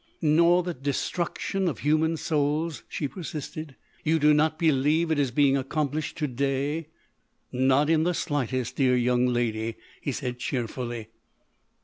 "Nor the—the destruction of human souls," she persisted; "you do not believe it is being accomplished to day?" "Not in the slightest, dear young lady," he said cheerfully.